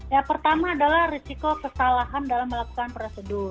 ya pertama adalah risiko kesalahan dalam melakukan prosedur